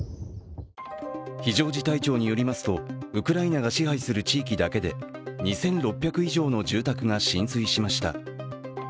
非常事態庁によりますとウクライナが支配する地域だけで２６００以上の住宅が浸水しました。